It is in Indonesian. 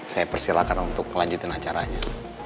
saya persilahkan untuk melanjutkan acaranya